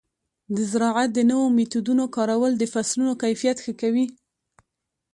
د زراعت د نوو میتودونو کارول د فصلونو کیفیت ښه کوي.